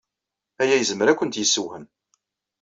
Aya yezmer ad kent-yessewhem.